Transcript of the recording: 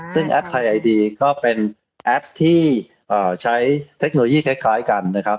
ซึ่งแอปไทยไอดีก็เป็นแอปที่ใช้เทคโนโลยีคล้ายกันนะครับ